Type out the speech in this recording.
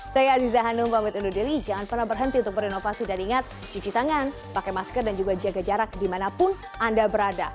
saya aziza hanum pamit undur diri jangan pernah berhenti untuk berinovasi dan ingat cuci tangan pakai masker dan juga jaga jarak dimanapun anda berada